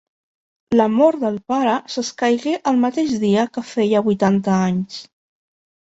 La mort del pare s'escaigué el mateix dia que feia vuitanta anys.